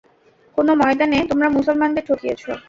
কোন ময়দানে তোমরা মুসলমানদের ঠকিয়েছ?